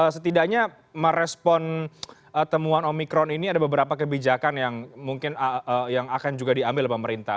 setidaknya merespon temuan omikron ini ada beberapa kebijakan yang mungkin yang akan juga diambil pemerintah